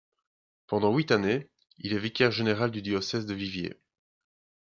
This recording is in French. Pendant huit années, il est vicaire général du diocèse de Viviers.